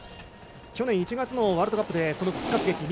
去年１月のワールドカップで復活劇。